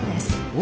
お！